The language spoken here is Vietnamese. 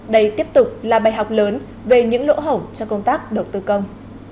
đây tiếp tục là bài học lớn về những lỗ hổng cho công tác đầu tư công